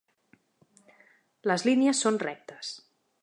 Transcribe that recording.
Les línies són rectes.